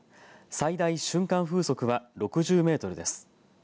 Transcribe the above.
最大瞬間風速は６０メートルです。